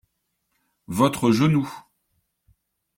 Votre genou.